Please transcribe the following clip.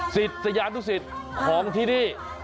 สิทธิ์สยานุสิทธิ์ของที่นี่